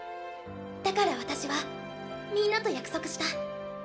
だから私はみんなと約束した。